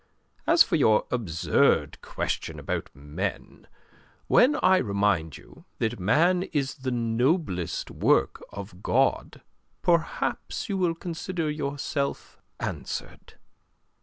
As for your absurd question about men, when I remind you that man is the noblest work of God, perhaps you will consider yourself answered."